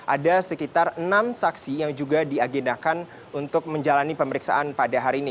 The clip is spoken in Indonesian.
ada sekitar enam saksi yang juga diagendakan untuk menjalani pemeriksaan pada hari ini